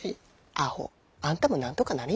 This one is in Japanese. アホ！あんたもなんとかなり。